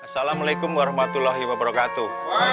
assalamualaikum warahmatullahi wabarakatuh